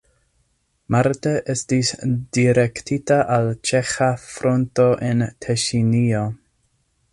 Marte estis direktita al ĉeĥa fronto en Teŝinio.